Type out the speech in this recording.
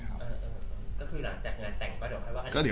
ต้นอยู่ข้างนี้